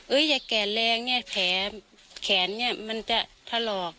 อย่าแก่แรงเนี่ยแผลแขนเนี่ยมันจะถลอก